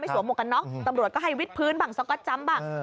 ไม่สวมกันเนอะตำรวจก็ให้วิทพื้นบ้างซ้อนก็จำบ้าง